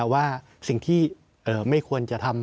ว่าสิ่งที่ไม่ควรจะทำ